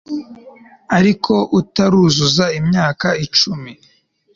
ariko utaruzuza imyaka icumi